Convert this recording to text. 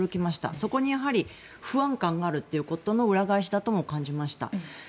そこに不安感があるということの裏返しだとも感じました。